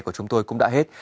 của chúng tôi cũng đã hết